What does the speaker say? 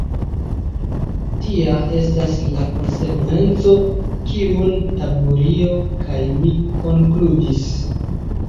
Tia estas la konsekvenco, kiun Taburio kaj mi konkludis.